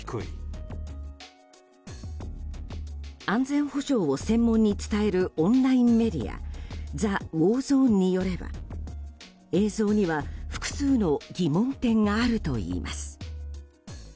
安全保障を専門に伝えるオンラインメディアザ・ウォー・ゾーンによれば映像には複数の疑問点があるといいます。